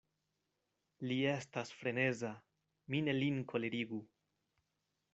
Li estas freneza; mi ne lin kolerigu.